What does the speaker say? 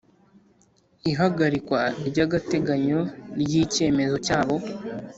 Ihagarikwa ry agateganyo ry icyemezo cyabo